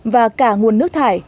và cả nguồn nước thải